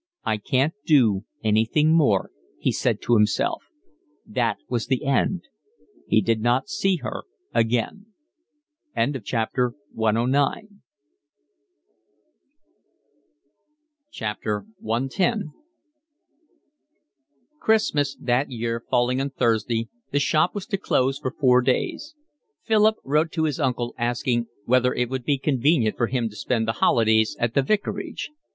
"I can't do anything more," he said to himself. That was the end. He did not see her again. CX Christmas that year falling on Thursday, the shop was to close for four days: Philip wrote to his uncle asking whether it would be convenient for him to spend the holidays at the vicarage.